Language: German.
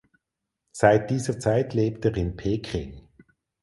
Seit dieser Zeit lebt er in Peking.